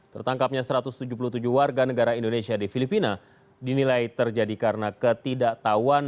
tertangkapnya satu ratus tujuh puluh tujuh warga negara indonesia di filipina dinilai terjadi karena ketidaktahuan